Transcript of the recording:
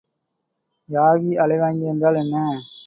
யாகி அலைவாங்கி என்றால் என்ன?